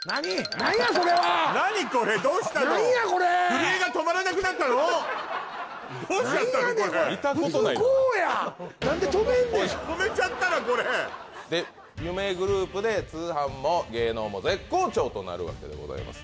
なんやこれどうしちゃったのこれなんやねんこれ普通こうや止めちゃったらこれ夢グループで通販も芸能も絶好調となるわけでございます